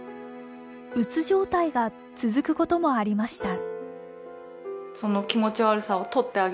うつ状態が続くこともありました。